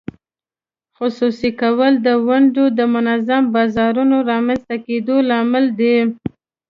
خصوصي کول د ونډو د منظم بازارونو رامینځته کېدو لامل دی.